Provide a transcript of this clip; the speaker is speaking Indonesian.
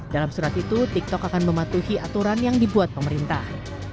dalam surat itu tiktok akan mematuhi aturan yang dibuat pemerintah